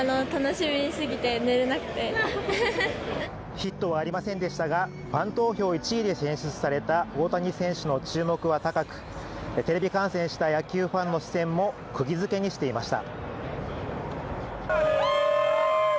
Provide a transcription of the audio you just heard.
ヒットはありませんでしたが、ファン投票１位で選出された大谷選手の注目は高く、テレビ観戦した野球ファンの視線も釘付けにしていました。